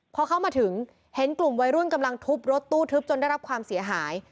พอเข้ามาถึงเห็นกลุ่มวัยรุ่นกำลังทุบรถตู้ทึบจนได้รับความเสียหาย